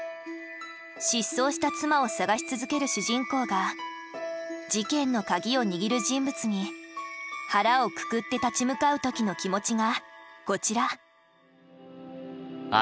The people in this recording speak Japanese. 失踪した妻を探し続ける主人公が事件の鍵を握る人物に腹をくくって立ち向かう時の気持ちがこちら。